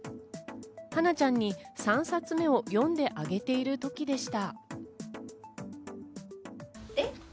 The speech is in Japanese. はなちゃんに３冊目を読んであげている時でした。